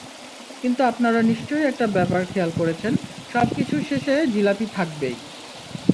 কিন্তু আপনারা নিশ্চয়ই একটা ব্যাপার খেয়াল করেছেন, সবকিছুর শেষে জিলাপি থাকবেই।